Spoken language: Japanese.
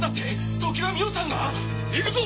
常磐美緒さんが⁉行くぞ！